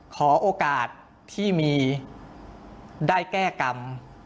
ขอโอกาสที่มีได้แก้กรรม